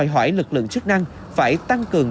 hỏi lực lượng chức năng phải tăng cường